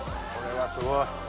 これはすごい。